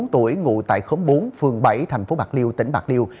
một mươi bốn tuổi ngủ tại khống bốn phường bảy thành phố bạc liêu tỉnh bạc liêu